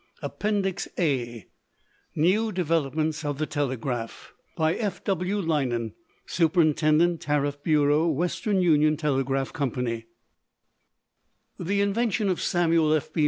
APPENDIX A NEW DEVELOPMENTS OF THE TELEGRAPH By F.W. Lienan, Superintendent Tariff Bureau, Western Union Telegraph Company The invention of Samuel F.